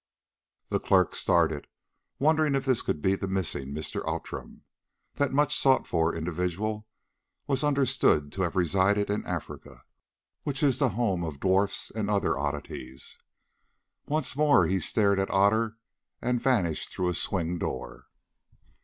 The clerk started, wondering if this could be the missing Mr. Outram. That much sought for individual was understood to have resided in Africa, which is the home of dwarfs and other oddities. Once more he stared at Otter and vanished through a swing door.